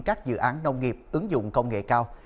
các dự án nông nghiệp ứng dụng công nghệ cao